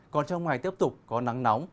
còn trong ngày tiếp tục có nắng nóng